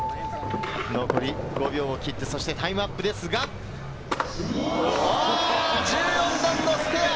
残り５秒を切って、そしてタイムアップですが、１４段のステア！